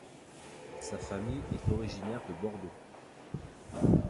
Sa famille est originaire de Bordeaux.